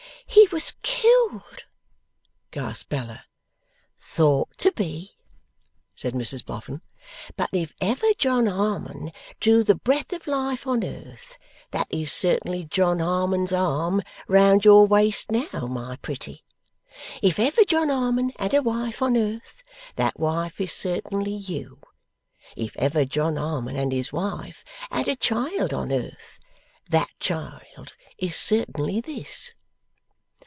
'He was killed,' gasped Bella. 'Thought to be,' said Mrs Boffin. 'But if ever John Harmon drew the breath of life on earth, that is certainly John Harmon's arm round your waist now, my pretty. If ever John Harmon had a wife on earth, that wife is certainly you. If ever John Harmon and his wife had a child on earth, that child is certainly this.